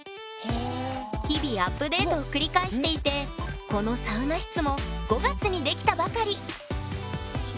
日々アップデートを繰り返していてこのサウナ室も５月に出来たばかり！